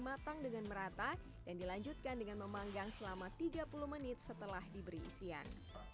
matang dengan merata dan dilanjutkan dengan memanggang selama tiga puluh menit setelah diberi isian